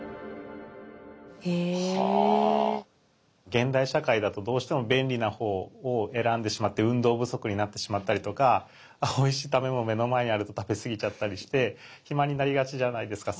現代社会だとどうしても便利なほうを選んでしまって運動不足になってしまったりとかおいしい食べ物目の前にあると食べ過ぎちゃったりして肥満になりがちじゃないですか。